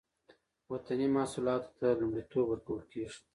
وطني محصولاتو ته لومړیتوب ورکول کیږي